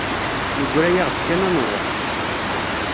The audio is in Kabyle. Yegra-yaɣ-d kan ad nruḥ.